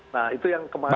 nah itu yang kemarin